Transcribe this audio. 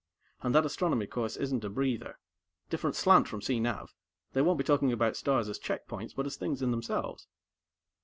And that Astronomy course isn't a breather. Different slant from Cee Nav they won't be talking about stars as check points, but as things in themselves."